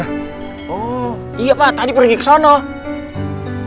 oh iya pak tadi pergi kesana